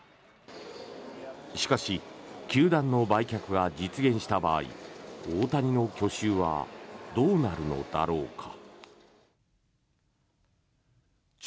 しかし球団の売却が実現した場合大谷の去就はどうなるのだろうか。